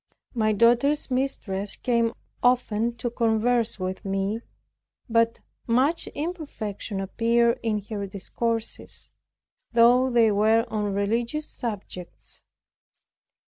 My daughter's mistress came often to converse with me, but much imperfection appeared in her discourses, though they were on religious subjects.